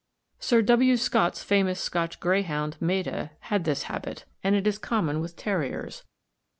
Sir W. Scott's famous Scotch greyhound, Maida, had this habit, and it is common with terriers.